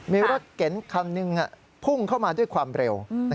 มีรถเก๋งคันหนึ่งพุ่งเข้ามาด้วยความเร็ว